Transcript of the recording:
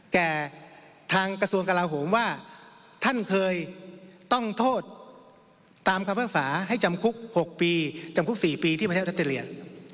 แก่ทางกระทรวงกลาโหมว่าท่านเคยต้องโทษตามคำภาษาให้จำคุก๖ปีจำคุก๔ปีที่ประเทศออสเตรเลีย